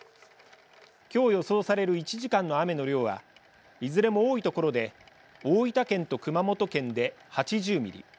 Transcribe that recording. きょう予想される１時間の雨の量はいずれも多い所で大分県と熊本県で８０ミリ